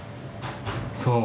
そう。